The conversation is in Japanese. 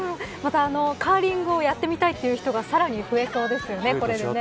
カーリングをやってみたいという人がさらに増えそうですよね。